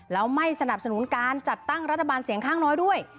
แล้วไม่สนับสนุนการจัดตั้งรัฐบาลเสียงข้างน้อยด้วย